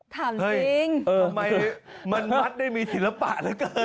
ทำมัสได้มีศิลปะเหลือเกิน